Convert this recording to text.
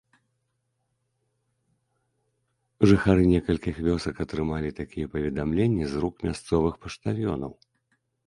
Жыхары некалькіх вёсак атрымалі такія паведамленні з рук мясцовых паштальёнаў.